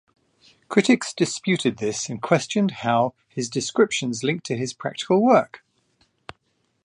Critics disputed this and questioned how his descriptions linked to his practical work.